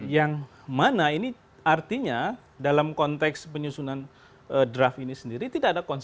yang mana ini artinya dalam konteks penyusunan draft ini sendiri tidak ada